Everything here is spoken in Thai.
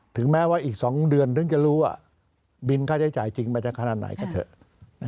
ถึงแม้ว่าอีก๒เดือนถึงจะรู้ว่าบินค่าใช้จ่ายจริงมันจะขนาดไหนก็เถอะ